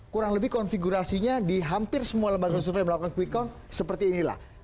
kurang lebih konfigurasinya di hampir semua lembaga survei melakukan quick count seperti inilah